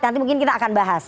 nanti mungkin kita akan bahas